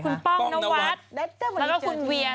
คุณป้องนวัตรและคุณเวีย